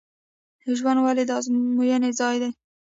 ژوند ولې د ازموینې ځای دی؟